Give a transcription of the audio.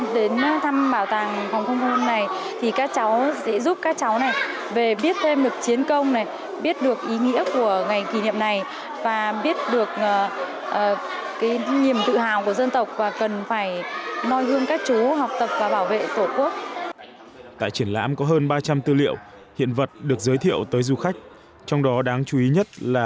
tại triển lãm có hơn ba trăm linh tư liệu hiện vật được giới thiệu tới du khách trong đó đáng chú ý nhất là